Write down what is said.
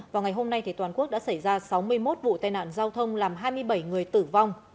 vào ngày hôm nay toàn quốc đã xảy ra sáu mươi một vụ tai nạn giao thông làm hai mươi bảy người tử vong